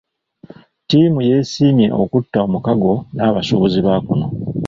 Ttiimu yeesiimye okutta omukago n'abasuubuzi ba kuno.